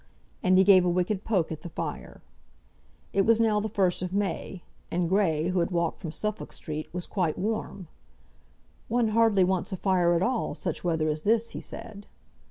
And he gave a wicked poke at the fire. It was now the 1st of May, and Grey, who had walked from Suffolk Street, was quite warm. "One hardly wants a fire at all, such weather as this," he said.